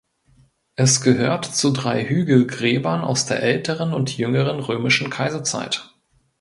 Es gehört zu drei Hügelgräbern aus der älteren und jüngeren römischen Kaiserzeit.